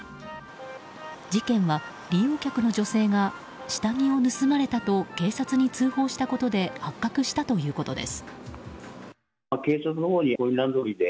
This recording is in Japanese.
事件は、利用客の女性が下着を盗まれたと警察に通報したことで発覚したということです。